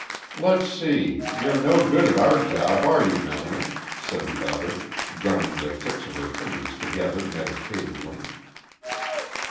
"Let's see. You're no good at our job, are you, Melian?" said the other, drumming the tips of her fingers together meditatively.